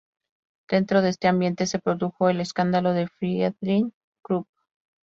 Dentro de este ambiente se produjo el escándalo de Friedrich Krupp.